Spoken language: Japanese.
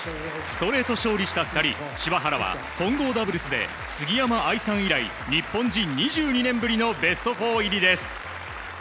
ストレート勝利した２人柴原は混合ダブルスで杉山愛さん以来日本人２２年ぶりのベスト４入りです。